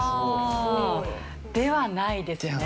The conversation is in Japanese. ではないですね。